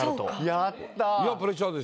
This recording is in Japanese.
やった。